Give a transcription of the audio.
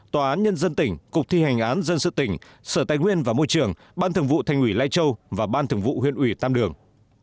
tòa án nhân dân tỉnh cục thi hành án dân sự tỉnh sở tài nguyên và môi trường ban thường vụ thành ủy lai châu và ban thường vụ huyện ủy tam đường